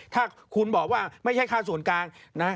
ถ้าคุณบอกว่าไม่ใช่ค่าส่วนกลางนะ